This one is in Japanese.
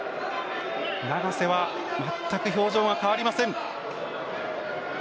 永瀬はまったく表情が変わりません。